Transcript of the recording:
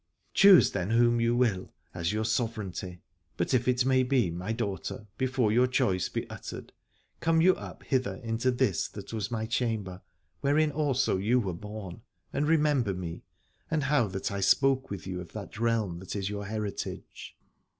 Choose then whom you will, as of your sovranty : but if it may be, my daughter, before your choice be uttered, come you up hither into this that was my chamber, wherein also you were born, and remember me, and how that I spoke with you of that realm that is your heritage.